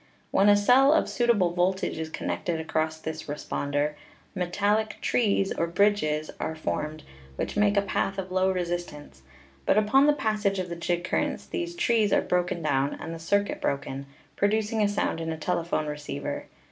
When a cell of suitable voltage is connected across this "responder," metallic "trees" or bridges are formed, which make a path of low resistance; but upon the passage of the jig currents these "trees" are broken down and the circuit broken, producing a sound in a tele phone receiver.